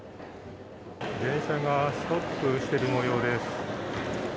電車がストップしているもようです。